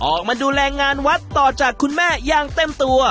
ออกมาดูแลงานวัดต่อจากคุณแม่อย่างเต็มตัว